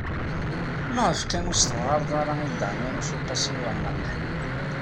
Maɣef kan ur as-teɣɣared i Dda Ɛmiiruc u Qasi Waɛmer n Ḥmed?